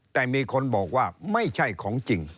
แต่มีคนบอกว่าไม่ใช่ของจริง